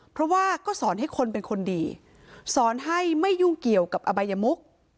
เพราะว่าก็สอนให้คนเป็นคนดีสอนให้ไม่ยุ่งเกี่ยวกับอบายมุก